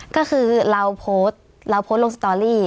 ก็คือเราโพสต์เราโพสต์ลงสตอรี่